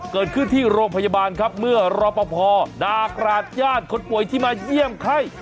เกิดขึ้นที่โรงพยาบาลครับเมื่อรอปภด่ากราศญาติคนป่วยที่มาเยี่ยมไข้